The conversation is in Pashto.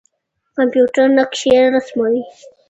کمپيوټر نقشې رسموي.